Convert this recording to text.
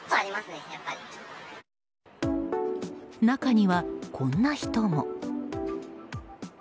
中には、こんな人も。